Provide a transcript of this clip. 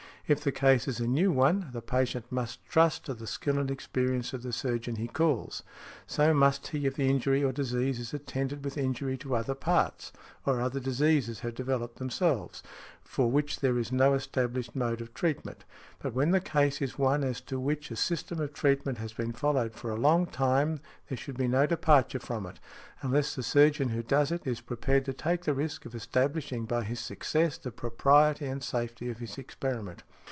If the case is a new one, the patient must trust to the skill and experience of the surgeon he calls. So must he if the injury or disease is attended with injury to other parts, or other diseases have developed themselves, for which there is no established mode of treatment. But when the case is one as to which a system of treatment has been followed for a long time, there should be no departure from it, unless the surgeon who does it is prepared to take the risk of establishing by his success the propriety and safety of his experiment.